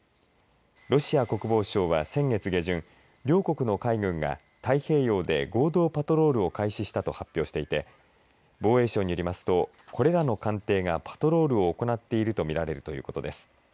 ロシア国防省は、先月下旬両国の海軍が太平洋で合同パトロールを開始したと発表していて防衛省によりますとこれらの艦艇がパトロールを行っていると見られるということです。